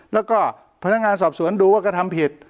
แล้วก็พนักงานสอบสวนดูว่ากระทำผิด